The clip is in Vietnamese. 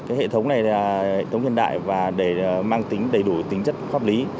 cái hệ thống này là hệ thống hiện đại và để mang tính đầy đủ tính chất pháp lý